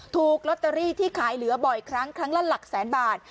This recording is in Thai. ถูกลอตเตอรี่ที่ขายเหลือบ่อยครั้งครั้งละหลักแสนบาท